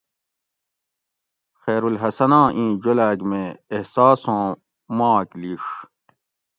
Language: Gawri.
خیرالحسناں ایں جولاگ مے احساسوں ماک لِیڛ